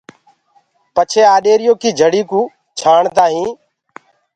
پڇي آڏيريٚ يو ڪيٚ پآڙي ڪوُ ڇآڻدآ هينٚ